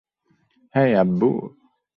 হেই - আব্বু?